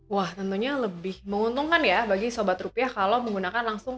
wah tentunya lebih menguntungkan ya bagi sobat rupiah kalau menggunakan langsung